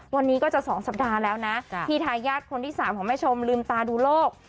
วันนี้ก็จะ๒สัปดาห์แล้วนะที่ทายาทคนที่๓ของแม่ชมลืมตาดูโลก